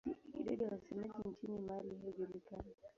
Idadi ya wasemaji nchini Mali haijulikani.